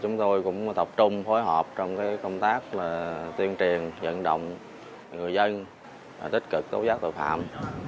chúng tôi cũng tập trung phối hợp trong công tác tuyên truyền dẫn động người dân tích cực tố giác tội phạm